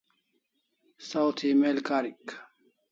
Saw thi email karik